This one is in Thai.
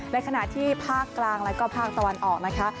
ในขณะที่ภาคกลางแล้วก็ภาคตะวันออกนะคะ